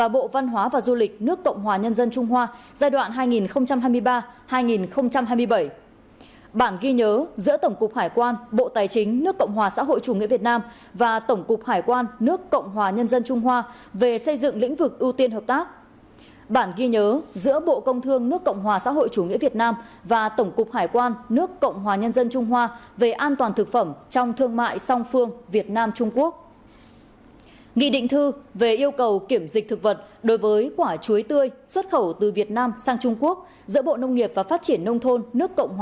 bản ghi nhớ giữa bộ tài nguyên và môi trường nước cộng hòa xã hội chủ nghĩa việt nam và bộ thương mại nước cộng hòa nhân dân trung hoa về tăng cường hợp tác bảo đảm chuỗi cung ứng việt trung